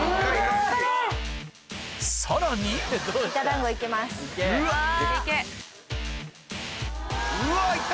さらに・うわいった！